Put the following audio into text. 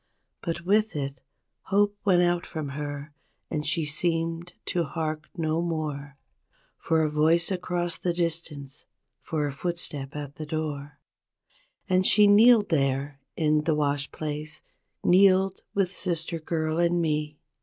But with it, hope went out from her, and she seemed to hark no more 26 For a voice across the distance, for a footstep at the door; And she kneeled there in the wash place, kneeled with sister girl and me.